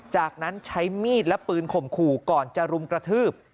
จากนั้นใช้มีดและปืนข่มขู่ก่อนจะรุมกระทืบ